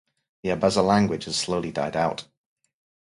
The Abaza language has slowly died out.